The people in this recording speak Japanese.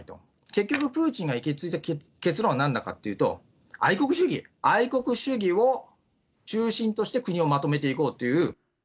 結局、プーチンが行きついた結論はなんだかっていうと、愛国主義、愛国主義を中心として、国をまとめていこうという。